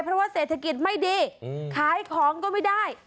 เพราะว่าเศรษฐกิจไม่ดีขายของก็ไม่ได้